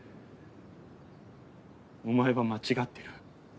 お前は間違ってる。